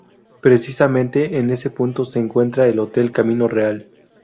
Precisamente en ese punto se encuentra el Hotel Camino Real.